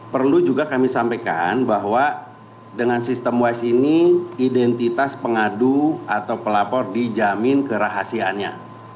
perlu juga kami sampaikan bahwa dengan sistem wise ini identitas pengadu atau pelapor dijamin kerahasiaannya